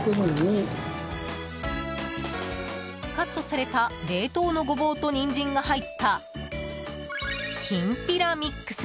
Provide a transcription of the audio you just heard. カットされた冷凍のゴボウとニンジンが入ったきんぴらミックス。